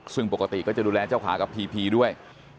ซึ่งปกติก็จะดูแลเจ้าขากับพีพีด้วย